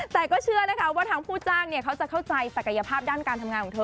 แต่ก็เชื่อนะคะว่าทางผู้จ้างเขาจะเข้าใจศักยภาพด้านการทำงานของเธอ